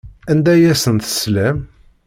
Anda ay asen-teslam?